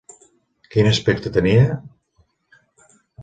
Quin aspecte tenia?